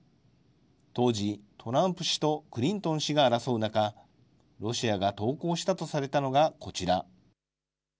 当時、トランプ氏とクリントン氏が争う中、ロシアが投稿したとされたのが、こちら。